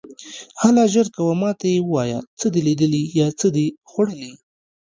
هله ژر کوه، ما ته یې ووایه، څه دې لیدلي یا څه دې خوړلي.